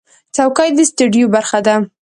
چوکۍ د سټوډیو برخه ده.